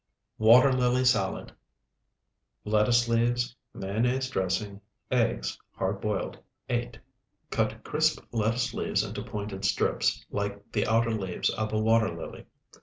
WATER LILY SALAD Lettuce leaves. Mayonnaise dressing Eggs, hard boiled, 8. Cut crisp lettuce leaves into pointed strips, like the outer leaves of a water lily.